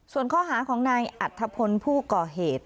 ส่วนข้อหาของนายอัธพลผู้ก่อเหตุ